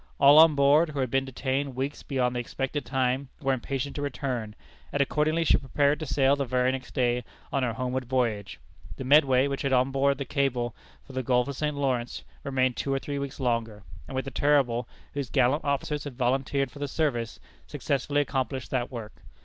All on board, who had been detained weeks beyond the expected time, were impatient to return; and accordingly she prepared to sail the very next day on her homeward voyage. The Medway, which had on board the cable for the Gulf of St. Lawrence, remained two or three weeks longer, and with the Terrible, whose gallant officers had volunteered for the service, successfully accomplished that work.